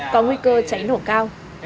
có nguy cơ cháy nổ cao